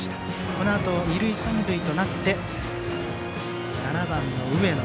このあと、二塁三塁となって７番の上野。